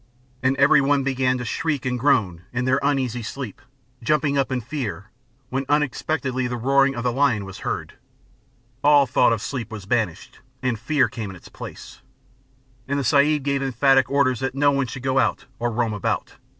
And everyone began to shriek and groan in their uneasy sleep, jumping up in fear, when unexpectedly the roaring of the lion was heard. All thought of sleep was banished, and fear came in its place: And the Sahib gave emphatic orders that no one should go out, or roam about.